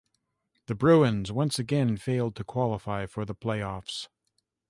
The Bruins once again failed to qualify for the playoffs.